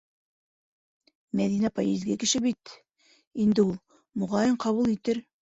Мәҙинә апай изге кеше бит инде ул, моғайын, ҡабул итер.